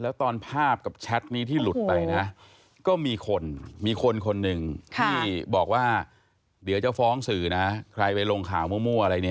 แล้วตอนภาพกับแชทนี้ที่หลุดไปนะก็มีคนมีคนคนหนึ่งที่บอกว่าเดี๋ยวจะฟ้องสื่อนะใครไปลงข่าวมั่วอะไรเนี่ย